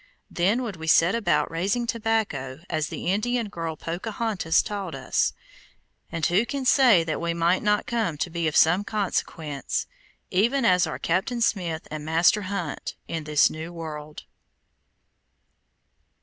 Then would we set about raising tobacco, as the Indian girl Pocahontas taught us, and who can say that we might not come to be of some consequence, even as are Captain Smith and Master Hunt, in this new world.